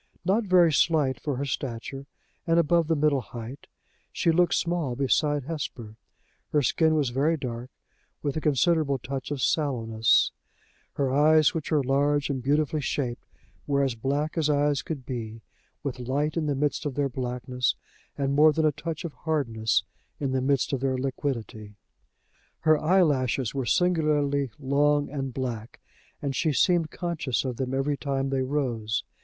Not very slight for her stature, and above the middle height, she looked small beside Hesper. Her skin was very dark, with a considerable touch of sallowness; her eyes, which were large and beautifully shaped, were as black as eyes could be, with light in the midst of their blackness, and more than a touch of hardness in the midst of their liquidity; her eyelashes were singularly long and black, and she seemed conscious of them every time they rose.